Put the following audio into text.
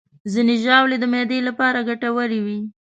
ځینې ژاولې د معدې لپاره ګټورې وي.